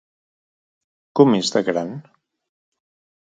Com és de gran?